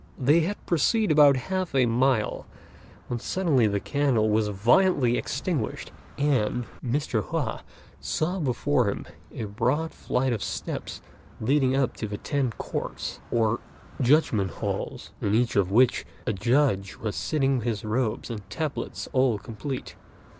They had proceeded about half a mile, when suddenly the candle was violently extinguished, and Mr. Hua saw before him a broad flight of steps leading up to the Ten Courts, or Judgment halls, in each of which a judge was sitting with his robes and tablets all complete.